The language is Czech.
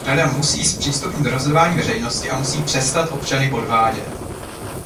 Rada musí zpřístupnit rozhodování veřejnosti a musí přestat občany podvádět.